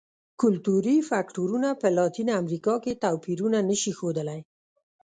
کلتوري فکټورونه په لاتینه امریکا کې توپیرونه نه شي ښودلی.